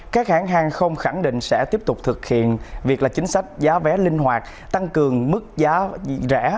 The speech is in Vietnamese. các hãng hàng không khẳng định sẽ tiếp tục thực hiện việc là chính sách giá vé linh hoạt tăng cường mức giá rẻ